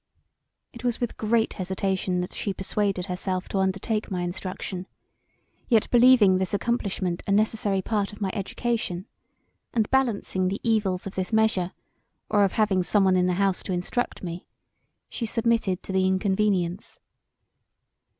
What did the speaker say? It was with great hesitation that she persuaded herself to undertake my instruction; yet believing this accomplishment a necessary part of my education, and balancing the evils of this measure or of having some one in the house to instruct me she submitted to the inconvenience.